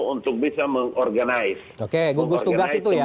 untuk bisa mengorganisasi